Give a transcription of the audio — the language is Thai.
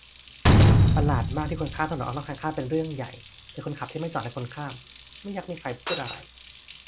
ประหลาดมากที่คนข้ามถนนนอกทางข้ามเป็นเรื่องใหญ่ แต่คนขับที่ไม่จอดให้คนข้าม ไม่ยักมีใครพูดอะไร